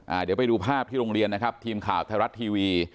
เดี๋ยวไปดูภาพที่โรงเรียนนะครับทีมข่าวไทยรัฐทีวี